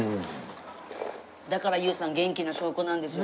だから優さん元気の証拠なんですよ